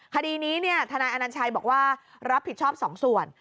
คดีนี้ทนายอนัญชัยบอกว่ารับผิดชอบสองส่วน